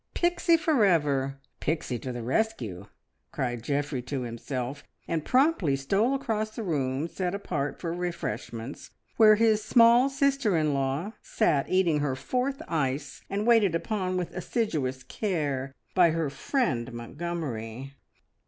"Pixie for ever! Pixie to the rescue!" cried Geoffrey to himself, and promptly stole across to the room set apart for refreshments, where his small sister in law sat eating her fourth ice, waited upon with assiduous care by her friend Montgomery.